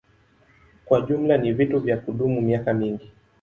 Kwa jumla ni vitu vya kudumu miaka mingi.